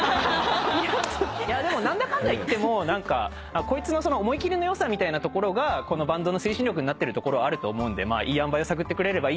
何だかんだいってもこいつの思い切りのよさみたいなところがバンドの推進力になってるところあると思うんでいいあんばいを探ってくれればいいのかなとは思ってますね。